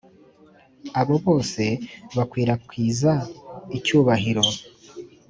abo bose bakwirakwizaga icyubahiro